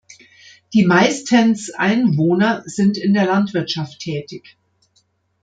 Die meistens Einwohner sind in der Landwirtschaft tätig.